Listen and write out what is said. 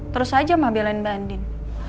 terus aja ma biar lain mbak andin